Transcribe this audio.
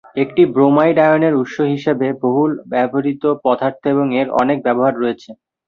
এটি ব্রোমাইড আয়নের উৎস হিসেবে বহুল ব্যবহৃত পদার্থ এবং এর অনেক ব্যবহার রয়েছে।